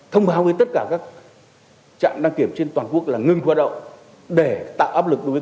thông hào với tất cả các trạm đăng kiểm trên toàn quốc là ngưng hoạt động để tạo áp lực đối với